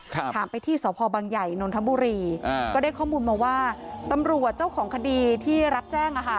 ถามไปที่สพบังใหญ่นนทบุรีอ่าก็ได้ข้อมูลมาว่าตำรวจเจ้าของคดีที่รับแจ้งอ่ะค่ะ